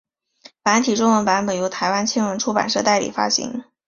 繁体中文版本由台湾青文出版社代理发行。